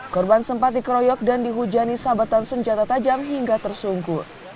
korban sempat dikeroyok dan dihujani sahabatan senjata tajam hingga tersungkur